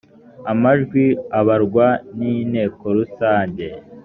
amajwi abarwa ninteko rusange.